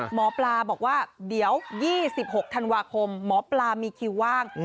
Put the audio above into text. หมอปลาบอกว่าเดี๋ยว๒๖ธันวาคมหมอปลามีคิวว่าง